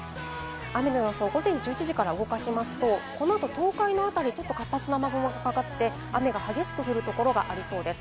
雨の予想、午前１１時から動かしますとこの後、東海のあたりは活発な雨雲がかかって、雨が激しく降る所がありそうです。